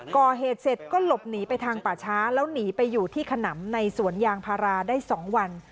ก่อเหตุเสร็จก็หลบหนีไปทางป่าช้าแล้วหนีไปอยู่ที่ขนำในสวนยางพาราได้๒วัน